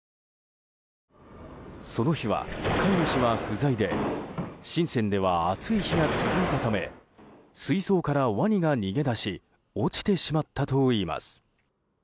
その日は飼い主は不在でシンセンでは暑い日が続いたため水槽からワニが逃げ出し落ちてしまったといいます。